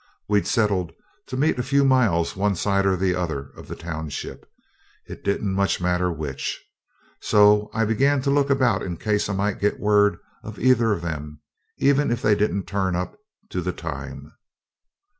We'd settled to meet a few miles one side or the other of the township. It didn't much matter which. So I began to look about in case I might get word of either of 'em, even if they didn't turn up to the time.